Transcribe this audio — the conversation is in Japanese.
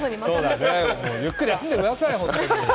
ゆっくり見てください。